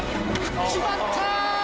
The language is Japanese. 決まった！